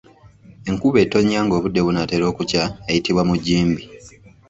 Enkuba etonnya ng’obudde bunaatera okukya eyitibwa mujimbi.